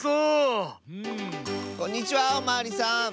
こんにちはおまわりさん。